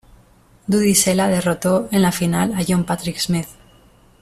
Dudi Sela derrotó en la final a John-Patrick Smith.